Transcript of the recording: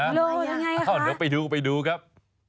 เห็นไหมยังไงคะอ้าวเดี๋ยวไปดูไปดูครับ